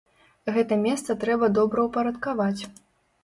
Гэта месца трэба добраўпарадкаваць.